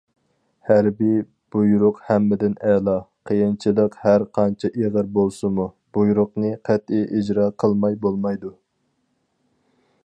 ھەربىي بۇيرۇق ھەممىدىن ئەلا، قىيىنچىلىق ھەر قانچە ئېغىر بولسىمۇ، بۇيرۇقنى قەتئىي ئىجرا قىلماي بولمايدۇ.